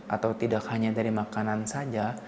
atau tidak hanya dari makanan saja